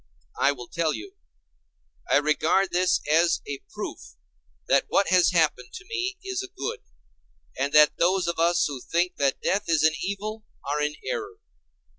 I will tell you. I regard this as a proof that what has happened to me is a good, and that those of us who think that death is an evil are in error.